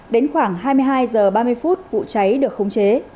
đến khoảng hai mươi hai h ba mươi phút vụ cháy được khống chế